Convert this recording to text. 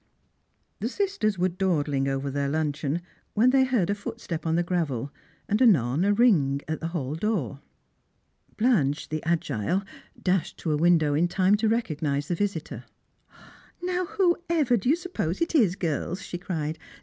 The sisters were dawdling over their luncheon, when they heard a footstep on the gravel, and anon a ring at the hall door. Blanche, the agile, dashed to a window in time to recognise the visitor. "Now, whoever do you suppose it is, girls?" she cried.